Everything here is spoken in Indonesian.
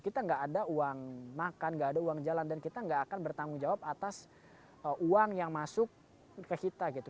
kita nggak ada uang makan nggak ada uang jalan dan kita nggak akan bertanggung jawab atas uang yang masuk ke kita gitu